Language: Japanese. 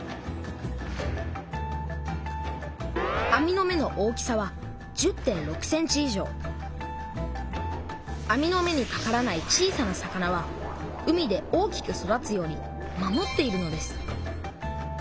網の目の大きさは網の目にかからない小さな魚は海で大きく育つように守っているのです。